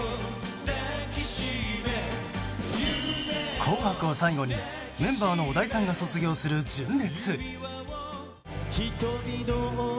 「紅白」を最後にメンバーの小田井さんが卒業する純烈。